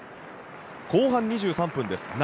後半２３分です。